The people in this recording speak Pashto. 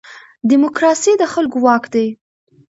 دیموکراسي د خلکو واک دی